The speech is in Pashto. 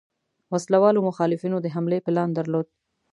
وسله والو مخالفینو د حملې پلان درلود.